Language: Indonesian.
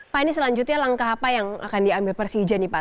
pak ini selanjutnya langkah apa yang akan diambil persija nih pak